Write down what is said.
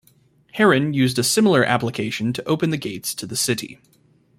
Heron used a similar application to open the gates to the city.